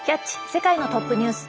世界のトップニュース」。